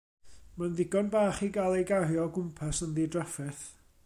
Mae'n ddigon bach i gael ei gario o gwmpas yn ddidrafferth.